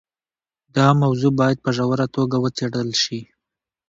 دا موضوع باید په ژوره توګه وڅېړل شي.